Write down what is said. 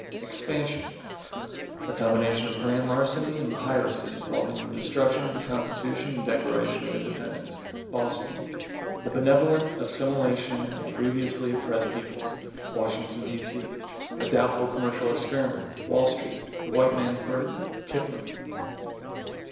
=EXPANSION= A combination of Grand Larceny and Piracy, involving the destruction of the Constitution and Declaration of Independence. Boston. The benevolent assimilation of previously oppressed peoples Washington, D.C. A doubtful commercial experiment. Wall Street. The white man's burden. Kipling.